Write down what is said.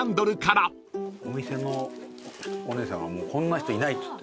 お店のお姉さんがもうこんな人いないっつって。